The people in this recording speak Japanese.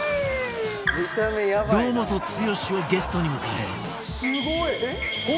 堂本剛をゲストに迎え